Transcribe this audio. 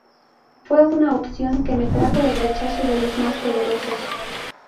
Fue una opción que me trajo el rechazo de los más poderosos.